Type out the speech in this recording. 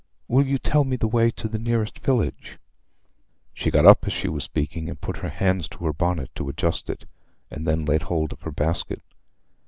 Will you tell me the way to the nearest village?" She got up as she was speaking, and put her hands to her bonnet to adjust it, and then laid hold of her basket.